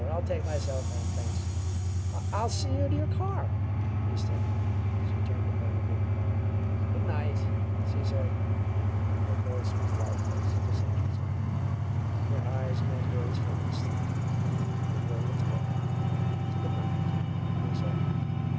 I'll take myself home, thanks." "I'll see you to your car," he stammered. She turned to Burnaby. "Good night!" she said. Her voice was lifeless, disinterested; her eyes met his for an instant and were withdrawn. "Good night," he said.